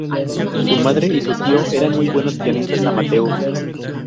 Su madre y su tío eran muy buenos pianistas amateurs.